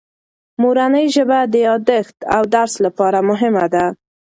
مورنۍ ژبه د یادښت او درس لپاره مهمه ده.